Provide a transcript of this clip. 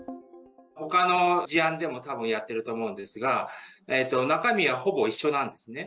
ほかの事案でも、たぶんやってると思うんですが、中身はほぼ一緒なんですね。